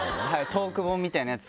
トーク本みたいなやつ買って。